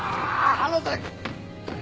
離せ！